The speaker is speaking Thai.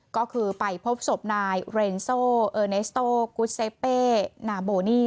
ก็คือไปพบศพนายเรนโซเออร์เนสโต้กุสเซเปนาโบนี่